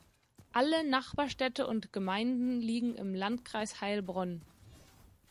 Alle Nachbarstädte und -gemeinden liegen im Landkreis Heilbronn.